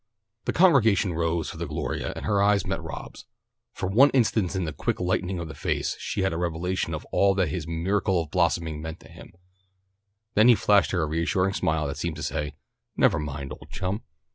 _" The congregation rose for the Gloria and her eyes met Rob's. For one instant in the quick lighting of his face she had a revelation of all that his "miracle of blossoming" meant to him, then he flashed her a reassuring smile that seemed to say: "Never mind, old chum.